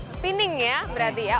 spinning ya berarti ya